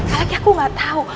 kalian aku gak tau